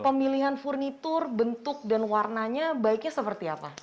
pemilihan furnitur bentuk dan warnanya baiknya seperti apa